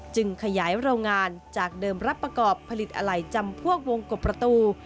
ขยายโรงงานจากเดิมรับประกอบผลิตอะไหล่จำพวกวงกบประตู